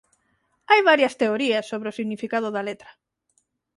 Hai varias teorías sobre o significado da letra.